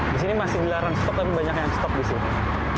disini masih gelaran stop tapi banyak yang stop disini